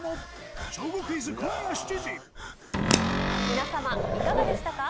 皆さまいかがでしたか？